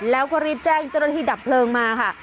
แล้วก็รีบแจ้งจรภิกษ์ดับเพลิงมาค่ะ